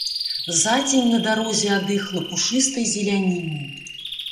Зацень на дарозе ад іх лапушыстай зеляніны.